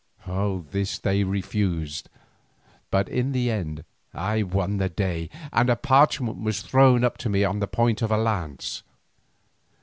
This was refused, but in the end I won the day, and a parchment was thrown up to me on the point of a lance.